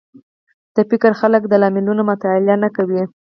د فکر خلک د لاملونو مطالعه نه کوي